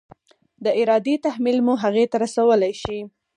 د ارادې تحمیل مو هغې ته رسولی شي؟